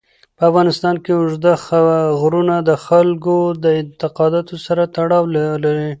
په افغانستان کې اوږده غرونه د خلکو د اعتقاداتو سره تړاو لري.